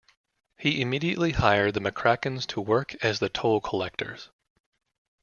He immediately hired the McCrackens to work as the toll collectors.